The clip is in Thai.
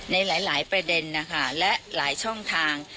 ในหลายประเด็นนะคะและหลายช่องทาง